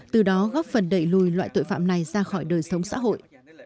từ đó góp phần đẩy lùi loại tội phạm này ra khỏi đời sống xã hội